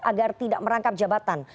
agar tidak merangkap jabatan